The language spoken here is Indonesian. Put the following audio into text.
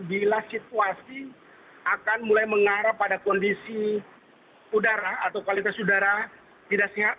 bila situasi akan mulai mengarah pada kondisi udara atau kualitas udara tidak sehat